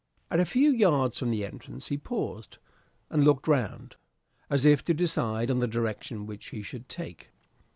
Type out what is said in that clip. At a few yards from the entrance he paused and looked round, as if to decide on the direction which he should take.